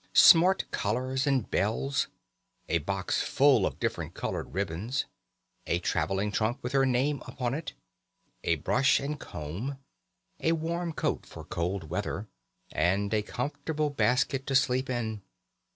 Smart collars and bells, a box full of different coloured ribbons, a travelling trunk with her name upon it, a brush and comb, a warm coat for cold weather, and a comfortable basket to sleep in.